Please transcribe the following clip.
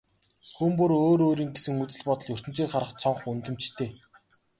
Хүн бүр өөр өөрийн гэсэн үзэл бодол, ертөнцийг харах цонх, үнэлэмжтэй.